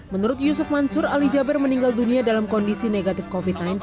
menurut yusuf mansur ali jaber meninggal dunia dalam kondisi negatif covid sembilan belas